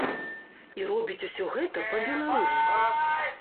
І робіць усё гэта па-беларуску!